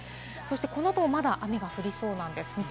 この後もまだ雨が降りそうです。